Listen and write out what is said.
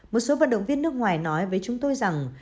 một số vận động viên nước ngoài nói với chúng tôi rằng